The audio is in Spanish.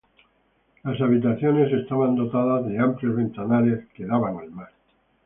Las habitaciones estaban dotadas de amplios ventanales que daban al mar.